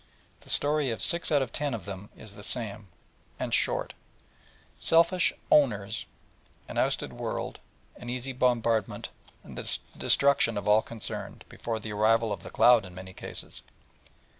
The story of six out of ten of them all is the same, and short: selfish 'owners,' an ousted world, an easy bombardment, and the destruction of all concerned, before the arrival of the cloud in many cases.